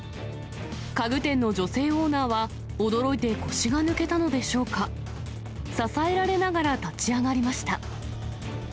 家具店の女性オーナーは、驚いて腰が抜けたのでしょうか、支えられながら立ち上がりました。